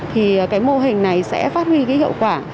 thì cái mô hình này sẽ phát huy cái hiệu quả